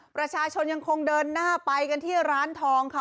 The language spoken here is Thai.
ประชาชนยังคงเดินหน้าไปกันที่ร้านทองค่ะ